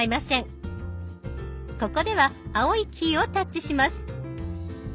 ここでは青いキーをタッチします。